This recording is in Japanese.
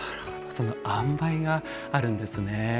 そのあんばいがあるんですね。